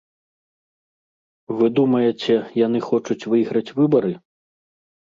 Вы думаеце, яны хочуць выйграць выбары?